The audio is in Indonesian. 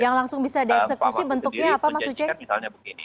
yang langsung bisa dieksekusi bentuknya apa mas uceng